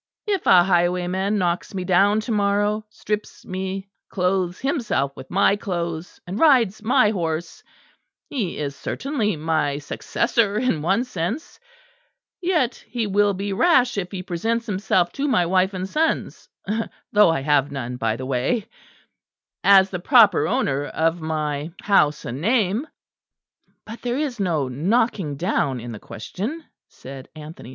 If a highwayman knocks me down to morrow, strips me, clothes himself with my clothes, and rides my horse, he is certainly my successor in one sense; yet he will be rash if he presents himself to my wife and sons though I have none, by the way as the proper owner of my house and name." "But there is no knocking down in the question," said Anthony.